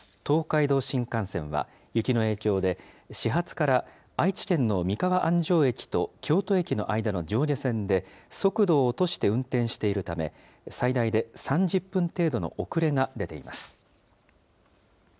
東海道新幹線は雪の影響で、始発から愛知県の三河安城駅と京都駅の間の上下線で、速度を落として運転しているため、最大で３０分程度の遅れが出ています。